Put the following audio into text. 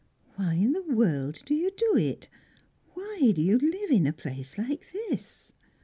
"Why in the world do you do it? Why do you live in a place like this?"